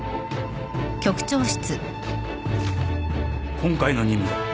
今回の任務だ。